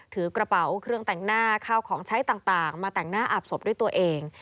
ถือกระเป๋าเครื่องแต่งหน้าข้าวของใช้ต่างมาแต่งหน้าอาบศพด้วยตัวเอง